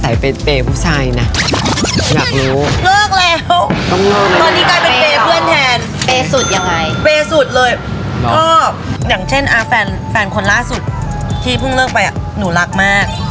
อย่างเช่นแฟนคนล่าสุดที่เพิ่งเลิกไปหนูรักมาก